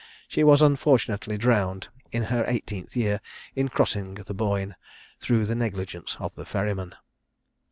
She was unfortunately drowned, in her eighteenth year, in crossing the Boyne, through the negligence of the ferryman.